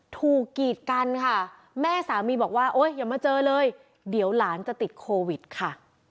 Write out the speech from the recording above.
กีดกันค่ะแม่สามีบอกว่าโอ๊ยอย่ามาเจอเลยเดี๋ยวหลานจะติดโควิดค่ะ